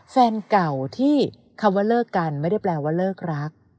แฟนเก่าที่คำว่าเลิกกันไม่ได้แปลว่าเลิกรัก